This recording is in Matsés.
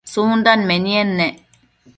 tsundan menied ne?